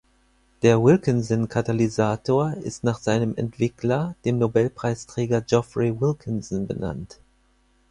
Der Wilkinson-Katalysator ist nach seinem Entwickler, dem Nobelpreisträger Geoffrey Wilkinson, benannt.